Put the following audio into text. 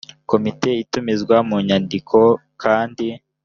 komite itumizwa mu nyandiko kandi